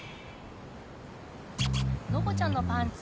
「のぼちゃんのパンツ